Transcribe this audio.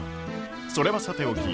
それはさておき。